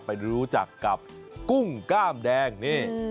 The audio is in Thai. ไปรู้จักกับกุ้งกล้ามแดงนี่